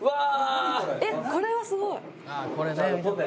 えっこれはすごい。